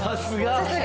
さすが。